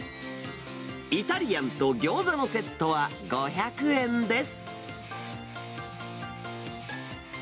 イタリアンとぎょうざのセットは５００円です。